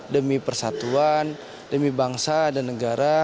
demi persatuan demi bangsa dan negara